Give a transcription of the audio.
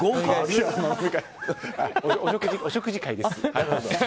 お食事会です。